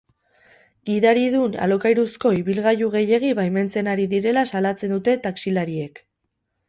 Gidaridun alokairuzko ibilgailu gehiegi baimentzen ari direla salatzen dute taxilariek.